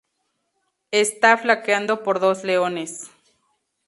Está flanqueado por dos leones.